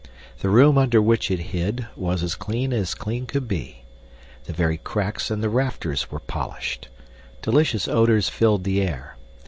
The room under which it hid was as clean as clean could be. The very cracks in the rafters were polished. Delicious odors filled the air.